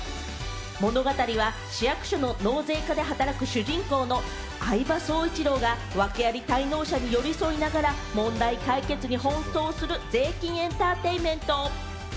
物語は市役所の納税課で働く主人公の饗庭蒼一郎がワケあり滞納者に寄り添いながら、問題解決に奔走する税金エンターテインメント。